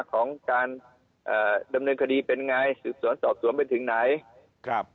ของการเอ่อดำเนินคดีเป็นไงสืบสวนสอบสวนไปถึงไหนครับ